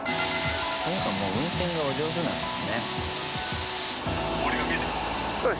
そもそも運転がお上手なんですね。